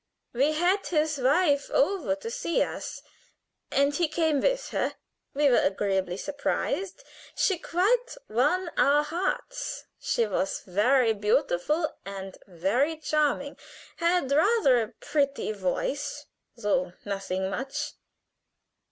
"We had his wife over to see us, and he came with her. We were agreeably surprised. She quite won our hearts. She was very beautiful and very charming had rather a pretty voice, though nothing much.